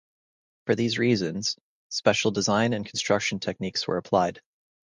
For these reasons, special design and construction techniques were applied.